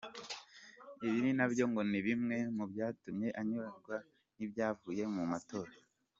Ibi nabyo ngo ni bimwe mu byatumye anyurwa n’ ibyavuye mu matora.